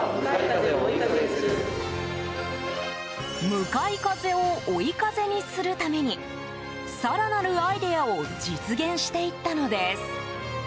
向かい風を追い風にするために更なるアイデアを実現していったのです。